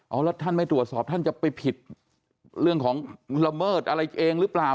เอาแล้วท่านไม่ตรวจสอบท่านจะไปผิดเรื่องของละเมิดอะไรเองหรือเปล่า